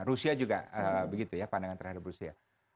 rusia juga begitu ya pandangan terhadap rusia